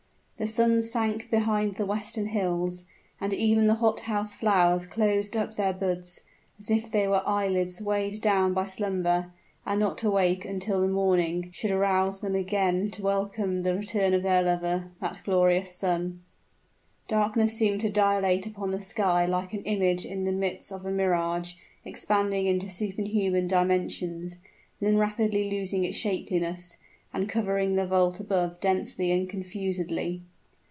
The sun sank behind the western hills; and even the hothouse flowers closed up their buds as if they were eyelids weighed down by slumber, and not to wake until the morning should arouse them again to welcome the return of their lover that glorious sun! Darkness seemed to dilate upon the sky like an image in the midst of a mirage, expanding into superhuman dimensions then rapidly losing its shapeliness, and covering the vault above densely and confusedly.